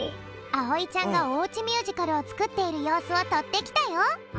あおいちゃんがおうちミュージカルをつくっているようすをとってきたよ。